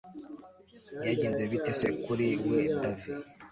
byagenze bite se kuri we davi!